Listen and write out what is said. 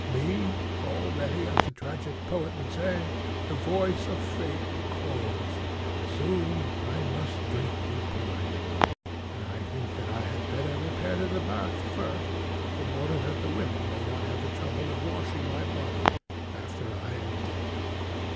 Me already, as the tragic poet would say, the voice of fate calls. Soon I must drink the poison; and I think that I had better repair to the bath first, in order that the women may not have the trouble of washing my body after I am dead.